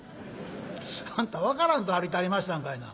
「あんた分からんと歩いたはりましたんかいな。